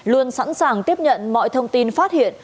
luôn sẵn sàng tiếp nhận mọi thông tin phát hiện